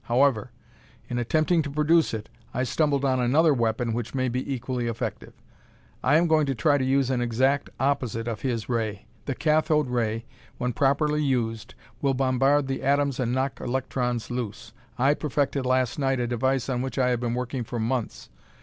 However, in attempting to produce it, I stumbled on another weapon which may be equally effective. I am going to try to use an exact opposite of his ray. The cathode ray, when properly used, will bombard the atoms and knock electrons loose. I perfected last night a device on which I have been working for months.